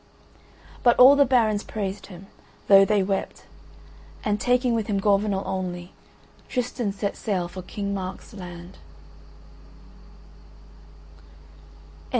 But all the barons praised him, though they wept; and taking with him Gorvenal only, Tristan set sail for King Mark's land.